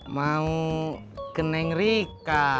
mau ke nengrika